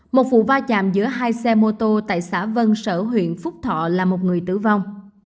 một vụ va chạm giữa hai xe mô tô tại xã vân sở huyện phúc thọ là một người tử vong